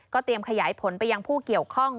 เตรียมขยายผลไปยังผู้เกี่ยวข้อง